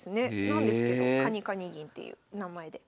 なんですけどカニカニ銀っていう名前で。